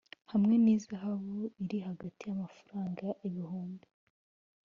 hamwe n’ihazabu iri hagati y’amafaranga ibihumbi